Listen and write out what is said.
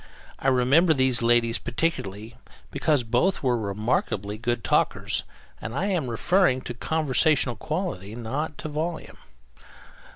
I remember these ladies particularly because both were remarkably good talkers and I am referring to conversational quality, not to volume.